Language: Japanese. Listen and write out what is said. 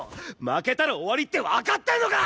負けたら終わりってわかってんのか！？